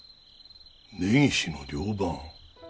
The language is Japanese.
根岸の寮番。